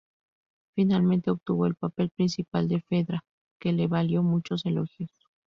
Finalmente obtuvo el papel principal de Fedra, que le valió muchos elogios.